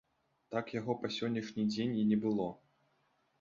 Так яго па сённяшні дзень і не было.